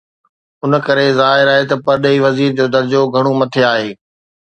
ان ڪري ظاهر آهي ته پرڏيهي وزير جو درجو گهڻو مٿي آهي.